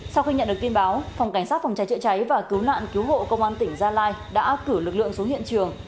sau khi nhận được tin báo phòng cảnh sát phòng cháy chữa cháy và cứu nạn cứu hộ công an tỉnh gia lai đã cử lực lượng xuống hiện trường